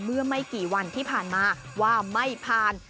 เมื่อไม่กี่วันที่ผ่านมาว่าไม่ผ่าน